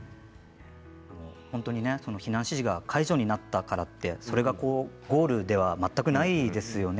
本当に避難指示が解除になったからってそれがゴールでは全くないですよね。